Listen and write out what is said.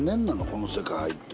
この世界入って。